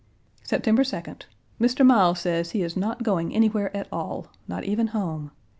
September 2d. Mr. Miles says he is not going anywhere at all, not even home.